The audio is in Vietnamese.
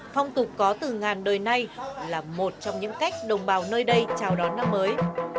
phong tục có từ ngàn đời nay là một trong những cách đồng bào nơi đây chào đón năm mới